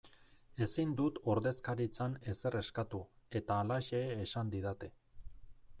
Ezin dut ordezkaritzan ezer eskatu eta halaxe esan didate.